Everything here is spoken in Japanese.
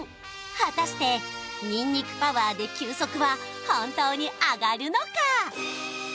果たしてにんにくパワーで球速は本当に上がるのか？